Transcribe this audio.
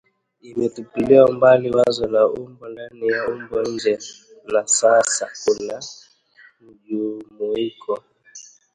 Imetupilia mbali wazo la umbo ndani na umbo nje na sasa kuna tu mjumuiko